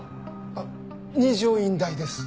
あっ二条院大です。